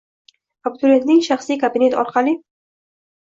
Abituriyentning shaxsiy kabinet orqali: